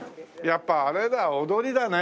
やっぱあれだ踊りだね。